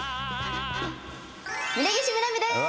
峯岸みなみです。